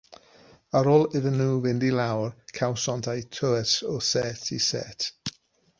Ar ôl iddyn nhw fynd i lawr, cawsant eu tywys o set i set